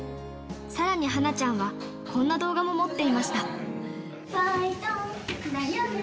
さらにはなちゃんは、こんな動画も持っていました。